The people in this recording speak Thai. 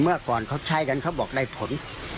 เมื่อก่อนเขาใช้กันเขาบอกได้ผล